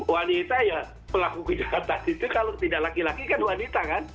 wanita ya pelaku kejahatan itu kalau tidak laki laki kan wanita kan